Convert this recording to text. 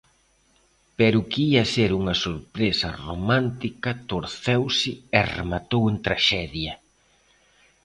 Pero o que ía ser unha sorpresa romántica torceuse e rematou en traxedia.